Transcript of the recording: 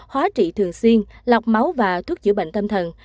hóa trị thường xuyên lọc máu và thuốc chữa bệnh tâm thần